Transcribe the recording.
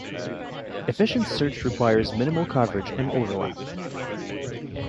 Efficient search requires minimal coverage and overlap.